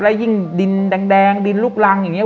แล้วยิ่งดินแดงดินลุกรังอย่างนี้